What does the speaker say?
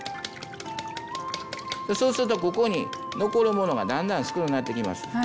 そうするとここに残るものがだんだん少のうなってきます。